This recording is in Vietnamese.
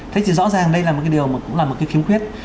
thế thì rõ ràng đây là một cái điều mà cũng là một cái khiếm khuyết